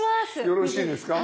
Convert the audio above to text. よろしいですか？